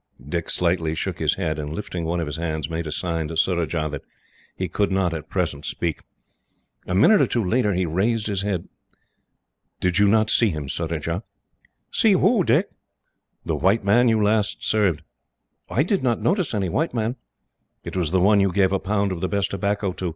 Dick slightly shook his head, and, lifting one of his hands, made a sign to Surajah that he could not, at present, speak. A minute or two later, he raised his head. "Did you not see him, Surajah?" "See who, Dick?" "The white man you last served." "I did not notice any white man." "It was the one you gave a pound of the best tobacco to.